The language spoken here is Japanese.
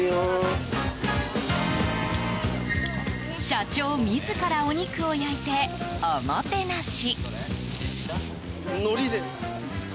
社長自らお肉を焼いて、おもてなし。